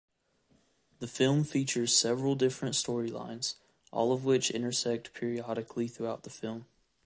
The film features several different storylines, all of which intersect periodically throughout the film.